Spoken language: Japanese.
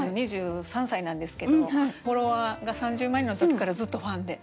２３歳なんですけどフォロワーが３０万人の時からずっとファンで。